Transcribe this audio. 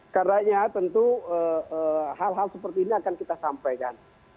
karena tentu hal hal seperti ini akan kita sampaikan